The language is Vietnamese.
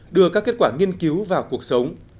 đưa các kết quả nghiên cứu vào cuộc sống